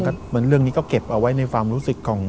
เหมือนเรื่องนี้ก็เก็บเอาไว้ในความรู้สึกของ